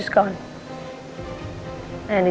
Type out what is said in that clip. dia udah pergi